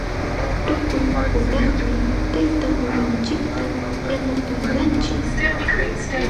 Tukuy hunaqmi taytamamanchikta yanapananchik.